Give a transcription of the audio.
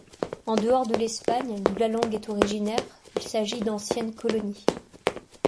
En dehors de l'Espagne, d'où la langue est originaire, il s'agit d'anciennes colonies.